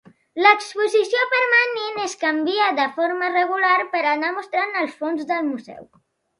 L'exposició permanent es canvia de forma regular per anar mostrant els fons del museu.